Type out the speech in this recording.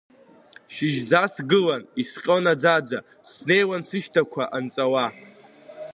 Шьыжьӡа сгылан исҟьон аӡаӡа, снеиуан сышьҭақәа анҵауа.